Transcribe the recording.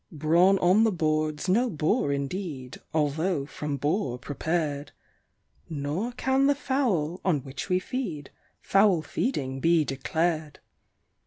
Brawn on the board's no bore indeed although from boar prepared; Nor can the fowl, on which we feed, foul feeding he declared.